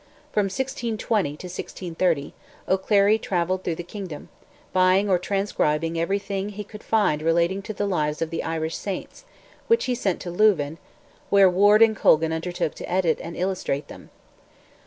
From 1620 to 1630, O'Clery travelled through the kingdom, buying or transcribing everything he could find relating to the lives of the Irish saints, which he sent to Louvain, where Ward and Colgan undertook to edit and illustrate them.